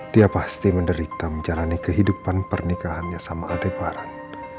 dia pasti menderita menjalani kehidupan pernikahannya sama adebaran